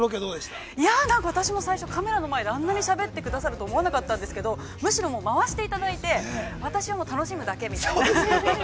◆いや何か私も最初、カメラの前であんなにしゃべってくださるとは思わなかったんですけどむしろ回していただいて、私は楽しむだけみたいな。